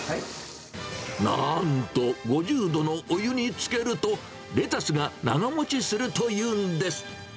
なんと、５０度のお湯に漬けると、レタスが長もちするというんです。